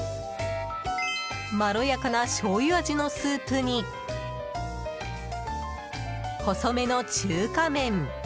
まろやかな、しょうゆ味のスープに細めの中華麺。